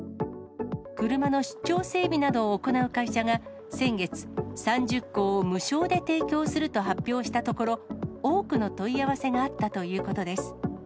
車の出張整備などを行う会社が、先月、３０個を無償で提供すると発表したところ、多くの問い合わせがあったということです。